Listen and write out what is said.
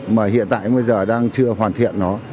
mà hiện tại đang chưa hoàn thiện